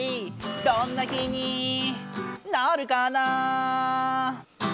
「どんな日になるかな」